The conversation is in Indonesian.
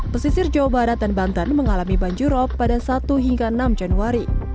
pesisir jawa barat dan banten mengalami banjirop pada satu hingga enam januari